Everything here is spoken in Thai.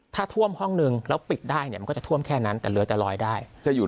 ถ้าท่วมห้องนึงแล้วปิดได้เนี่ยมันก็จะท่วมแค่นั้นแต่เรือจะลอยได้จะอยู่